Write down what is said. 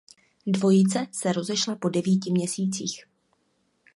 Dvojice se rozešla po devíti měsících.